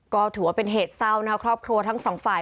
ก็ถือว่าเป็นเหตุเศร้านะครับครอบครัวทั้งสองฝ่าย